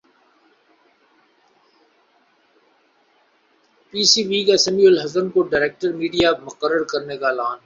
پی C B کا سمیع الحسن کو director media مقرر کرنے کا اعلان